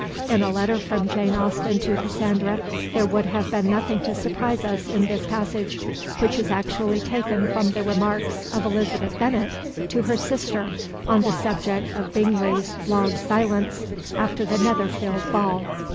In a letter from Jane Austen to Cassandra there would have been nothing to surprise us in this passage, which is actually taken from the remarks of Elizabeth Bennet to her sister on the subject of Bingley's long silence after the Netherfield ball.